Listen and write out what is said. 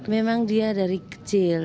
memang dia dari kecil